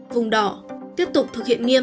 vùng đỏ tiếp tục thực hiện nghiêm